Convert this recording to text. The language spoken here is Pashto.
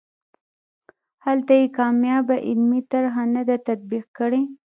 هلته یې کامیابه عملي طرحه نه ده تطبیق کړې.